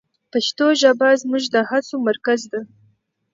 پښتو ژبه زموږ د هڅو مرکز ده.